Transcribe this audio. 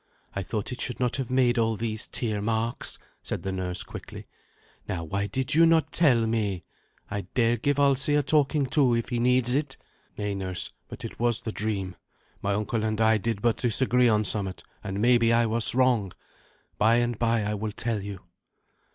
I thought it should not have made all these tear marks," said the nurse quickly. "Now, why did you not tell me? I dare give Alsi a talking to if he needs it." "Nay, nurse, but it was the dream. My uncle and I did but disagree on somewhat, and maybe I was wrong. By and by I will tell you."